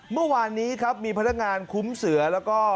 เมื่อวานนี้ครับมีพนักงานคุ้มเสือแล้วก็